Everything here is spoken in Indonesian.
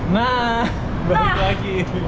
nah balik lagi